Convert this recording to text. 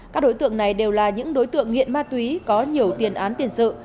các đối tượng này đều là những đối tượng nghiện ma túy có nhiều tiền án tiền sự